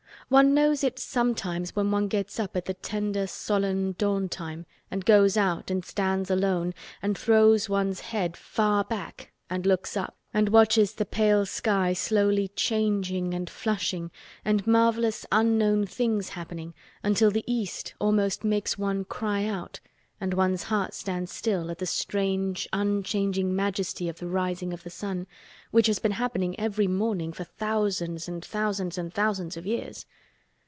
One knows it sometimes when one gets up at the tender solemn dawn time and goes out and stands alone and throws one's head far back and looks up and up and watches the pale sky slowly changing and flushing and marvelous unknown things happening until the East almost makes one cry out and one's heart stands still at the strange unchanging majesty of the rising of the sun—which has been happening every morning for thousands and thousands and thousands of years.